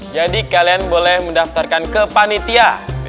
jadi kalian boleh mendaftarkan ke panitia